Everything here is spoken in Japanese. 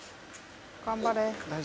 頑張れ。